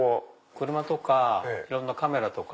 車とかいろんなカメラとか。